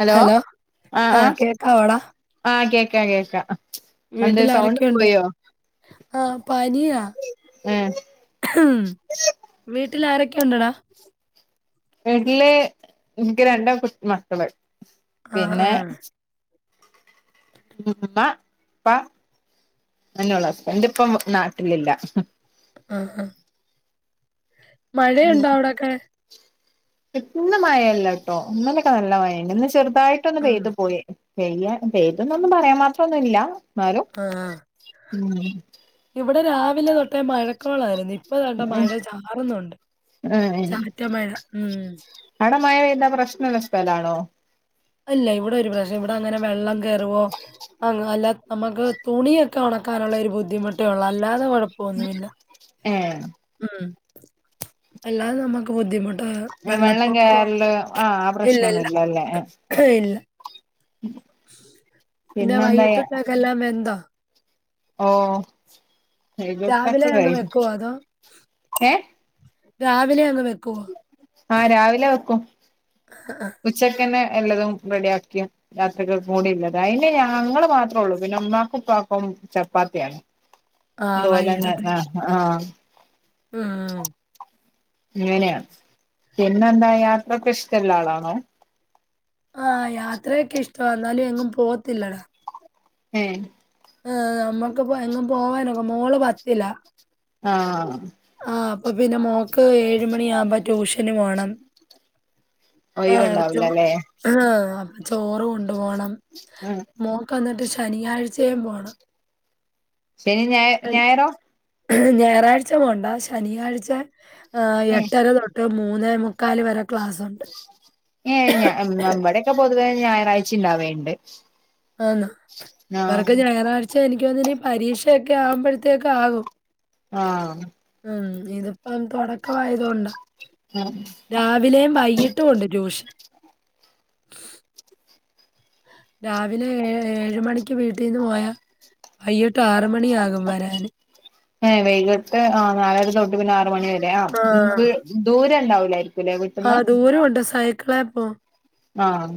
Hello.. ആ.. ആ.. ആ.. കേക്കാ കേക്കാം.. ! വീട്ടിൽ അന്തേയ്‌ സൗണ്ട് ആരൊക്കെയുണ്ട് പോയോ? ആ പനിയാ ഏഹ് വീട്ടിൽ ആരൊക്കെ ഉണ്ടടാ വീട്ടില് എനിക്ക് രണ്ട് കുഞ്ഞ് മക്കള് ആ ആ പിന്നെ ഉമ്മ ഉപ്പ അതെന്നൊള്ളു ഹസ്ബൻഡ്ഇപ്പോ നാട്ടിലില്ല. ആഹാ.. മഴയുണ്ടോ അവിടൊക്കെ? ന്ന് മഴല്ലട്ടോ ഇന്നലൊക്കെ നല്ല മഴണ്ട് ഇന്ന് ചെറുതായിട്ടൊന്ന് ഉം പെയ്തു പോയി പെയ്യ പെയ്തുന്നൊന്നും പറയാൻ മാത്രൊന്നുല്ല ന്നാലും ആ ആ ഇവിടെ രാവിലെ തൊട്ടേ മഴക്കോളായിരുന്നേ ഇപ്പതണ്ടേ മഴ ചാറുന്നുണ്ട്, ചാറ്റ മഴ. ഉം.. ! അട മഴ പെയ്താ- പ്രശ്നള്ളസ്ഥലാണോ? അല്ല ഇവിടെ ഒരു പ്രശ്നം ഇവിടെ- അങ്ങനെ വെള്ളം കയറുവോ. [unintelligible] നമുക്ക് തണി യോക്കേ ഉണക്കാനുള്ള ഒരു ബുദ്ധിമുട്ടേ ഉള്ളൂ അല്ലാതെ കുഴപ്പോന്നുല്ല. ഏഹ് ഉം അല്ലാതെ നമുക്ക് ബുദ്ധിമുട്ട്- ആ വെള്ളം വെള്ളപ്പൊക്കം കയറല് ആഹ് ആ ഇല്ലല്ല പ്രശ്നൊന്നുല്ല അല്ലേ ഇല്ല പിന്നെ പിന്നെന്താ വൈകിട്ടത്തൊക്കെ എല്ലാം വെന്തോ ഓ രാവിലെ അങ്ങ് വൈകീട്ടത്തൊക്കായി വെക്കുവോ അതോ? ഏ രാവിലെ അങ് വെക്കുവോ ആ രാവിലെ വെക്കും അ ആ. ഉച്ചക്കന്നെ എല്ലതും റെഡിയാക്കി രാത്രിക്കക്കും കൂടിള്ളത് അയിന് ഞങ്ങൾ മാത്രേ ഉള്ളൂ പിന്നെ മ്മാക്കും ഉപ്പക്കും ചപ്പാത്തിയാണ് ആ അതുപോലെന്നെ ആ ആ ഉം അങ്ങനെയ പിന്നെന്താ യാത്രക്കെ ഇഷ്ടമുള്ള ആളാണോ ആഹ യാത്രയൊക്കെ ഇഷ്ട എന്നാലും എങ്ങും പോവത്തില്ലടാ ഹം ഏ നമ്മുക്കിപ്പോ എങ്ങും പോവാനൊക്കെ മോള് പത്തില്ല ആഹ അപ്പൊ പിന്നെ മോക്ക് ഏഴ മണി ആകുമ്പോ ട്യൂഷന് വേണം ആഹ ഒഴിവുണ്ടാവൂലല്ലേ ആഹ ചോറ് കൊണ്ടു പോണം ആ മോക്ക് വന്നിട്ട് ശനിയാഴ്ചയും പോണം ശനി ഞായ ശനി ഞായറോ ഞായറാഴ്ച കൊണ്ട ശനിയാഴ്ച ഏ എട്ടര തൊട്ട് മൂന്ന മുക്കാല് വര ഏ നമ്മടെക്കെ പൊതുവേ ഞായറാഴ്ച ഉണ്ടാവേണ്ട് ആന്നാ [unintelligible] [inaudible] പരീക്ഷയൊക്കെ ആവുമ്പോഴത്തേക്ക ആകും ആഹ ഉം. ഇതിപ്പം തുടക്ക ആായതൊണ്ടാ ആ രാവിലെ വൈകിട്ട കൊണ്ട് ജോഷ രാവിലെ ഏ ഏഴ മണിക്ക് വീട്ടിൽന്ന് പോയാ വയ്യോട്ട് ആറ് ഏ വൈകിട്ട് ആ നാലര തൊട്ട് പിന്നെ ആറ മണി വരെ ആ ദൂരെ ഉണ്ടാവില്ലായിരിക്കും ആഹ ദൂരമുണ്ട് സൈക്കിളാപ്പോ ആഹ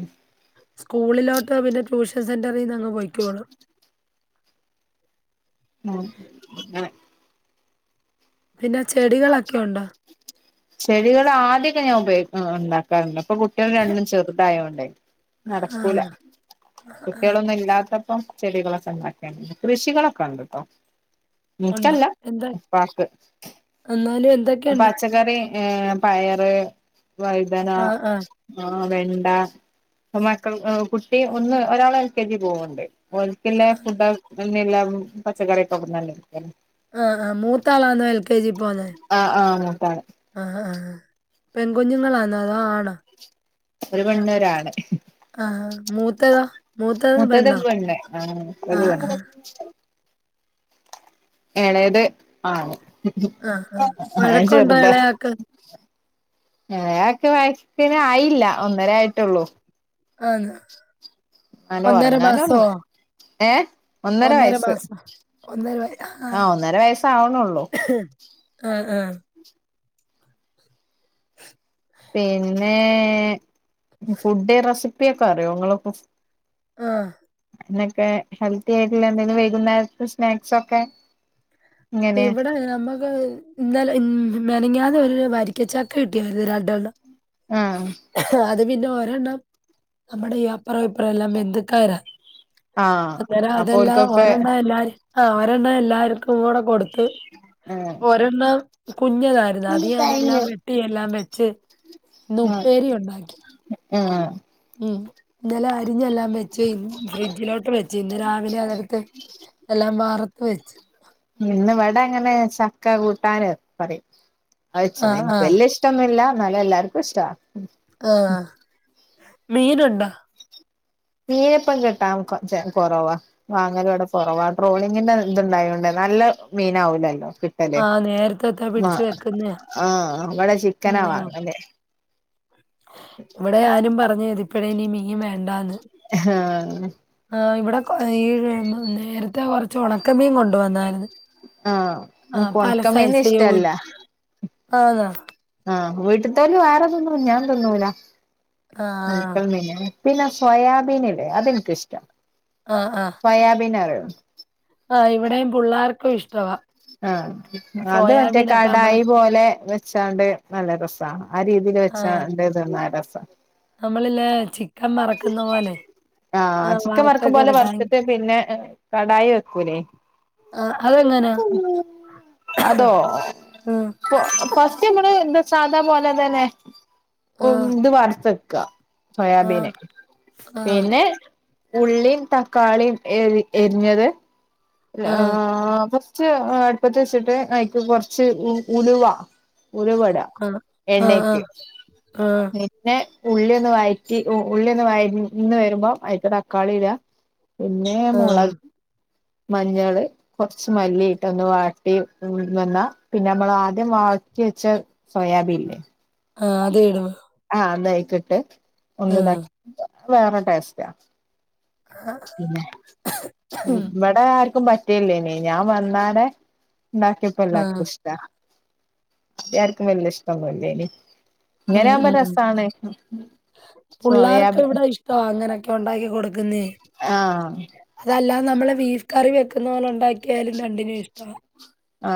സ്കൂളിലോട്ട് പിന്നെ ട്യൂഷൻ സെന്ററിൽന്ന് അങ്ങ് പോയികൊള്ളും ഉം അങ്ങനെ പിന്നെ ചെടികളൊക്കെ ഉണ്ടോ ചെടികൾ ആദ്യമൊക്കെ ഞാൻ ഉപയോഗ ഉണ്ടാക്കാറുണ്ട് അപ്പൊ കുട്ടികൾ രണ്ടും ചെറുതായ കൊണ്ട ആ. നടക്കൂല ആ, ആ. കുട്ടികളൊന്നും ഇല്ലാത്ത ഇപ്പം ചെടികളൊക്കെ ഉണ്ടാക്കിണ്ട് കൃഷികളൊക്കെ ഉണ്ട് കേട്ടോ ഉണ്ടോ? നട്ടല്ല എന്താ പാക്ക് എന്നാലും എന്തൊക്കെയുണ്ട്? പച്ചക്കറി ഏ പയറ് വൈതന ആ, ആ. ആ വെണ്ട അപ്പൊ മക്കൾ കുട്ടി ഒന്ന് ഒരാൾ എൽ കെ ജി പോവണ്ട് ഒരിക്കില്ല ഫുഡന്നല്ല പച്ചക്കറിയൊക്കെ ഒന്നരിക്ക ആഹ ആഹ് മൂത്താളാന്നോ എൽ കെ ജി പോന്നെ ആ ആ മൂത്താള് ആഹ ആ പെൺകഞ്ഞുങ്ങളാന്ന അതോ ആണോ ഒരു മണ്ണൂരാണ് ആഹ മൂത്തതാ മുത്തത്ണ്ടേ ആ മുത്തത് ആഹ് വേണ്ട ആഹ്. ണേത് ആണ് ആഹ് ആഹ്. വഴക്കുണ്ടോ ചെറുത ഇളയാക്ക്? ഒക്കെ വക്കിന ആയില്ല ഒന്നര ആയിട്ടുള്ളു ആന്നോ? അലോ മാസോ? ഉറങ്ങാലന്ന ഏ ഒന്നര വയസ്സ് മാസം. വയ ആഹ ഒന്നര വയസ്സാവണള്ളു ആഹ ആഹ പിന്നെ ഫുഡ് റെസിപ്പിയൊക്കെ അറിയോ ങ്ങളൊക്ക ആഹ എന്നൊക്കെ ഹെൽത്തി ആയിട്ടുള്ള എന്തെങ്കിലും വൈകുന്നേരത്ത് സ്നാക്സ്ഒക്കെ ഇവിടെ നമ്മുക്ക് ഇന്നലെ ഉ മെനഞ്ഞാന്ന് ഒരു വരിക്കച്ചക്ക കിട്ടിയായിരുന്നു രണ്ടവെള്ളം ആഹ് പിന്നെ ഒരെണ്ണം നമ്മടെ ഈ അപ്പുറ ഇപ്പറമെല്ലാം ബന്ധുക്കാരാ. ആഹ് അന്നേരം അതെല്ലാ അപ്പോൽക്കൊക്കെ ഒരെണ്ണം എല്ലാരിക്കും ആ ഒരെണ്ണം എല്ലാർക്കുംകൂട കൊടുത്ത് ആഹ് ഒരണ്ണം കുഞ്ഞതായിരുന്നു അത് ഞാനെല്ലാം ആഹ് വെട്ടിയെല്ലാം വെച്ച് ന്ന് ഉപ്പേരി ഉണ്ടാക്കി ആഹ് ന്നലെ ആരി ത് ഞ്ഞെല്ലാം വെച്ച് കൈഞ്ഞ് ഫ്രിഡ്ജിലോട്ട് വെച്ച് ഇന്ന് രാവിലെ അതടുത്ത് എല്ലാം വാർത്ത് ത്ത് വച്ച്‌ ഇന്നിവടങ്ങനെ ചക്ക കൂട്ടാന് പറയും അയച്ചിന്. ആഹ് നിക്ക് ആഹ് വല്ല്യ ഇഷ്ടന്നുല്ല അന്നാലും എല്ലാർക്കും ഇഷ്ട. മീന്‌ ണ്ട മീനിപ്പം കിട്ടാം കൊ ചെ കൊറവാ വാങ്ങല ഇവിടെ കുറവാ ട്രോളിങ്ങിന്റെ ഇത്ണ്ടായൊണ്ടോന്നെ നല്ല മീനാവൂലല്ലോ കിട്ടല് ആഹ് നേരത്തത്തെ മ പിടിച്ച് വെക്കുന്നയാ. ആഹ ഇവിടെ ചിക്കനാ ആഹ്. വാങ്ങല്. ഇവിടെ ഞാനും പറഞ്ഞ് ഇതിപ്പഴെ ഇനി മീൻ വേണ്ടാന്ന് ഹ് ആ ആ ഇവിടെ കൊ ഈ മ് നേരത്തെ കുറച്ച് ഉണക്കമീൻ കൊണ്ടുവന്നാരുന്ന് ആ നിക്ക് ഒണക്കമീന്നിഷ്ടല്ല ആത ആ വീട്ടത്തന്ന വേറെതിന്നും ഞാൻ തിന്നൂല്ല ആഹ്. അതിപ്പങ്ങനയാ പിന്നെ സോയാബീനില്ലേ അതെനിക്കിഷ്ടാ ആ ആ സോയാബീൻ അറിയോ ആ ഇവിടെയും പുള്ളാർക്ക് ഇഷ്ടവാ ആ അത് മറ്റേ സോയാബീനൊക്കെ നമ്മള് കടായി പോലെ വെച്ചാണ്ട് നല്ല രസാ ആ രീതി ആ വച്ച ന്റേതിന്ന രസാ നമ്മളില്ലേ ചിക്കൻ വറക്കുന്ന പോലെയെ ആ ചിക്കൻ വറുക്കുംപോലെ വറുത്തിട്ട് പിന്നെ കാടായി വെക്കൂല്ലേ ആ അതെങ്ങനാ അതോ ആ ഫസ് റ്റ് മ്മള് എന്താ സാധാ പോലെ തന്നെ ആ മ് ഇത് വറത്തെക്കുക ആ സോയാബീന് ആ പിന്നെ ഉള്ളീം തക്കാളീം എരി എരിഞ്ഞത് ആ ആ രാഹ് ഫസ് റ്റ്‌ കുറച്ച് അടുപ്പത്തി വെച്ചിട്ട് ഐക്ക് കുറച്ച് ഉലവാ ഉലുവിട ആ ആ എണ്ണയ്ക്ക് ആ ആ ന്നിറ്റെ ഉള്ള്യൊന്നു വഴറ്റി ഉ ഉള്ള്യൊന്നു വയ ന്ന് വരുമ്പോ അതിക്ക് തക്കാളി ഇട്അ പിന്നെ മൊളക് മഞ്ഞള് കൊറച്ച് മല്ലിയിട്ടൊന്ന് വാട്ടി മ് വന്നാ പിന്നെ നമ്മൾ ആദ്യം വാട്ടി വെച്ച സോയാബീൻല്ലേ ആ അത് ഇടണാ ആ ഒന്നയിക്കിട്ട് ഒന്ന്‌താക്കി വേറെ ടേസ്റ്റ ആ പിന്നെ ഇവടെ ആർക്കും പറ്റയില്ലേനി ഇനി ഞാൻ വന്നാടെ ആ, ന്നാക്കിയപ്പെല്ലാർക്കും ഇഷ്ട ആദ്യായർക്കും വല്ല്യ ഇഷ്ടന്നുല്ല്യേനി ഇങ്ങനെ ഉം ആവുമ്പോ ഉം രസാണ്. പുള്ളാർക്ക് സോയബീ ഇവിടെ ഇഷ്ടമാ അങ്ങനൊക്കെ ഉണ്ടാക്കി കൊടുക്കുന്ന് അതല്ലാത് നമ്മളെ വീഫ് കറി വെക്കുന്നോല ഉണ്ടാക്കിയാലും രണ്ടിനും ഇഷ്ട ആ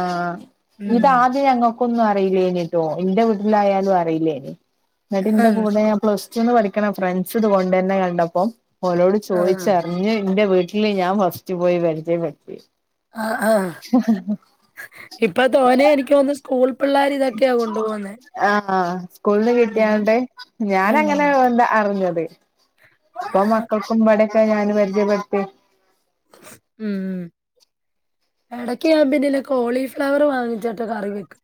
ഇതാദ്യം ഞങ്ങ ന്ക്കൊന്നും അറിയില്ലേനിട്ടോ എന്റെ വീട്ടിലായാലും അറിയില്ലേനി. ആ എന്നിട്ട്ന്റെ കൂടെ് ഞാൻ പ്ലസ് ടുന്ന് പഠിക്കണ ഫ്രണ്ട്സ് ഇത് കൊണ്ടരണ കണ്ടപ്പോ ഓലോട് ചോയിച്ചറിഞ്ഞ് ന്റെ വീട്ടി ട്ട്ല് ഞാൻ ഫസ്റ്റ് പോയി പരിചയപ്പെട്ത്തി. ആ ആ ഇപ്പൊ തോനേ എനിക്ക് തോന്ന്‌ സ്കൂൾ പിള്ളേര് ഇതൊക്കെയ കൊണ്ടു പോന്നെ ആ സ്കൂള്ന്ന് കിട്ടിയണ്ട ഞാന ഉം അങ്ങനെ എന്താ അറിഞ്ഞത് ഇപ്പൊ മക്കൾക്ക്മ്പടെക്കെ ഞാൻ പരിചയപ്പെടുത്തി ഉം ഇടക്ക് യാമ്പന്നിലെ കോളിഫ്ലവർ വാങ്ങിച്ചിട്ട് കറി വെക്കും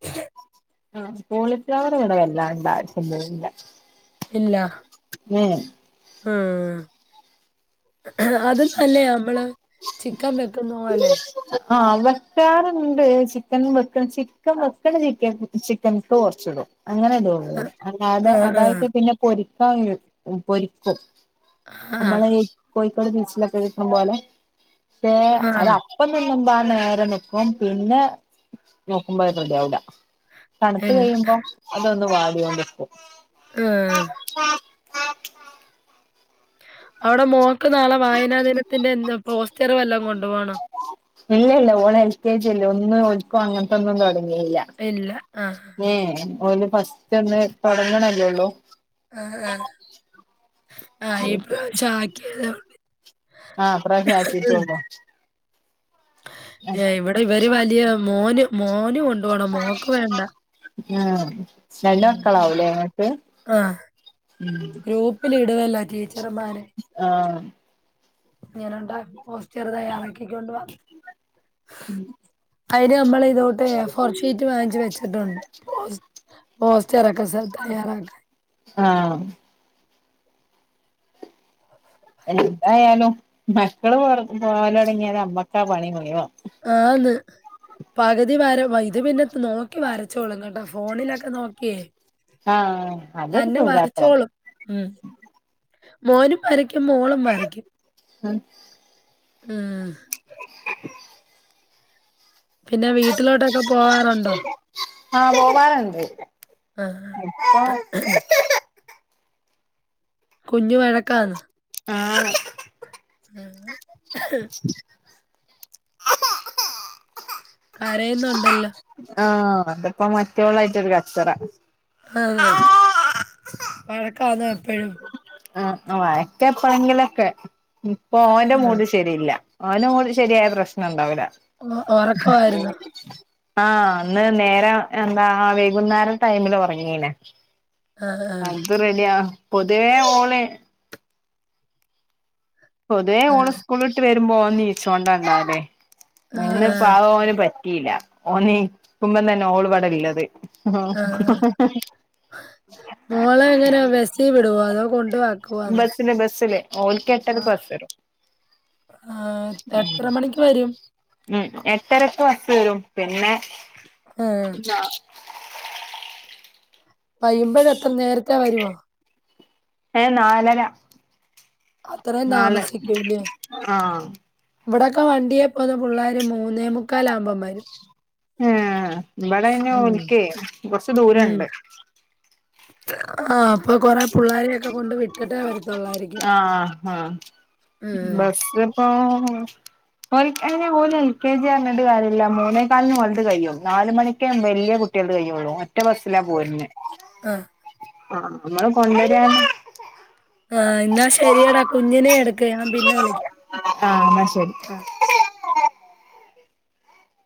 ആ കോളിഫ്ലവർ ഇവിടെ വല്ലാം ഉണ്ടാവരിക്കുന്നല്ല ഇല്ല ആ അതന്നല്ലേ നമ്മള് ചിക്കൻ വെക്കന്ന പോലെ ആ വെക്കാറുണ്ട് ചിക്കൻ വെക്ക ചിക്കൻ വക്ക ച ചിക്കൻക്ക കുറച്ചിടും അങ്ങനെതോ ഉള്ളൂ അ അതെ ആഹ് ആഹ് അതായിട്ട് പിന്നെ പൊരിക്കാ പൊരിക്കും ആഹ് നമ്മള് കോഴിക്കോട് ബീച്ചിലൊക്കെ കക്കണ പോലെ പേ അത ആഹ് അപ്പ തന്ന മുമ്പാ നേരെ നക്കും പിന്നെ നോക്കുമ്പോ റെഡി ആവില്ല തണുത്ത് ഇല്ല കഴിയുമ്പോ അതൊന്ന് വാടോണ്ടിരിക്കും ആ അവിടെ മോക്ക് നാളെ വായനാ ദിനത്തിന്റെ എന്താ പോസ്റ്റർ വെല്ലാം കൊണ്ടു പോണം ഇല്ല ഇല്ല ഓള് എൽ കെ ജി ഇല്ലേ ഒന്ന് ഓൽക്ക് അങ്ങനത്തെന്നും പറ അല്ല ഇല്ല ആഹ് ഏ ഓല് ഫസ്റ്റ് ഒന്ന് തുടങ്ങണല്ലോള്ളൂ ആ ആ ആ ഇപ്പ ആക്കിയതേ ഒള്ളൂ ആഹ് ഇപ്രാവശ്യം ആക്കിട്ടൊള്ളൂ ഇവിടെ ഇവര് വലിയ മോന് മോന് കൊ കൊണ്ട് പോണം മോക്ക് വേണ്ട ആഹ് രണ്ട് മക്കളാവൂലേ ഇങ്ങക്ക് ആ ഗ്രൂപ്പിൽ ഇടുവല്ലോ ടീച്ചർമാരെ ആ ഇങ്ങനണ്ടാ പോസ്റ്റർ തയ്യാറാക്കി കൊണ്ടുവാ ഉം അതിന് നമ്മൾ ഇതോട്ട് ഏഫോർഷീറ്റ് വാങ്ങിച്ച് വെച്ചിട്ടുണ്ട് പോസ്റ്ററൊക്കെ സ തയ്യാറാക്ക ആഹ് എന്തായാലും മക്കള് പോവല് തുടങ്ങിയാല് അമ്മക്കാ പണി മുഴുവൻ ആന്ന് പകുതി വാര ഇത് പിന്നെ നോക്കി വരച്ചോളു കേട്ടോ ഫോണിലൊക്കെ നോക്കിയേ ആഹ് അതൊരു തന്നെ സുഖാട്ടോ വായിച്ചോളും ഉം മോനും വരയ്ക്കും മോളും വരയ്ക്കും ഉം ഉം പിന്നെ വീട്ടിലോട്ടൊക്കെ പോവാറുണ്ടോ ആ പോകാറുണ്ട് ആ. ഇപ്പൊ കുഞ്ഞു വഴക്കന്ന് ആ ഉം കരയുന്നു ഉണ്ടല്ലോ ആ അതപ്പ മറ്റേള്ളായിട്ടൊരു കച്ചറ ആ ആഹ് വഴക്കാന്നാ എപ്പോഴും ആഴക്കെപ്പങ്കിലൊക്കെ ഇപ്പോ ഓന്റെ ഉം. മൂട് ശരിയില്ല ഓനും കൂടി ശരിയായ പ്രശ്ന ഉണ്ടാവില്ല ആ ഉറക്കവായിരുന്നോ ആ അന്ന് നേരം എന്താ ആ വൈകുന്നേരം ടൈമില് ഉറങ്ങീല്ലേ ആ ആ അത് റെഡിയാ പൊതുവേ ഓളെ പൊതുവേ ഓള് സ്കൂളിട്ട് വരുമ്പോ ഓൻ നീച്ചോണ്ടാ ണ്ടാവല് ആ ഇന്ന് ആ പാ പോന് പറ്റിയില്ല ട്ടീല്ല ഓനേ കുമ്പം തന്ന ഓള്പടലില്ലത് ആഹ് ആ ആ. മോളെ എങ്ങനെ ബസ്സിൽ വിടുവോ അതോ കൊണ്ടുവാക്കുവാന്നോ ബസില് ബസ്സില് [unintelligible] ഉം ആ, ആ, എത്ര മണിക്ക് വരും എട്ടരക്ക് വസ് വരും പിന്നെ ആ, പിന്നാ വയ്യുമ്പൊഴ് എത്ര നേരത്തെ വരുവോ ഏ നാലര അത്രയും നാല് താമസിക്കൂല്ലേ ആഹ് ഇവിടൊക്ക വണ്ടിയെ പോല് പിള്ളാര് മൂന്നേ മുക്കാലാവ്മ്പം വരും ആ ഇവള ഞങ്ങ ഉം, ഒരിക്കേ കൊറച്ചു ദൂരം ഒണ്ട് ആഹ് അപ്പൊ കൊറേ പിള്ളാരെയൊക്ക കൊണ്ട് വിട്ടിട്ടെ വരത് ആഹ് അ ഉം. ബസ് ഇപ്പോ ഒരിക്ക അങ്ങനെ പോലും എൽ കെ ജി ആങ്ങട്ട് കാര്യ ഇല്ല മൂന്നേക്കാലിന് വല്ത് കഴിയും നാല് മണിക്കെ വല് എങ്കിലേ കുട്ടികൾക്ക് കഴിയോള്ളൂ ഓ എ ഒറ്റ ബസിലാ പോര്ന്നേ ആ ആഹ് നമ്മള് കൊണ്ടുവരാണ ആഹ് എന്നാ ശരിയടാ കുഞ്ഞിനെ എട്ക്ക് ഞാൻ പിന്നെ വിളിക്കാം ആഹ് എന്നാ ശരി ആ ശെരി [inaudible]